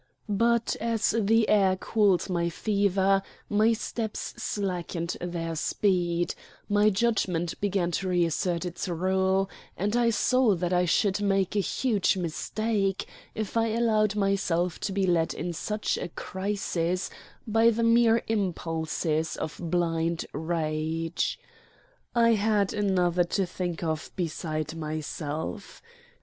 But as the air cooled my fever my steps slackened their speed, my judgment began to reassert its rule, and I saw that I should make a huge mistake if I allowed myself to be led in such a crisis by the mere impulses of blind rage. I had another to think of beside myself.